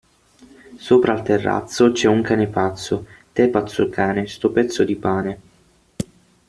Sopra al terrazzo, c'è un cane pazzo, tè pazzo cane, sto pezzo di pane.